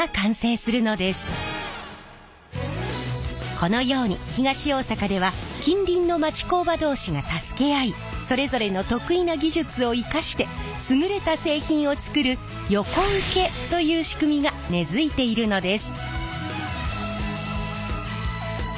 このように東大阪では近隣の町工場同士が助け合いそれぞれの得意な技術を生かして優れた製品を作る横請けという仕組みが根づいているのです。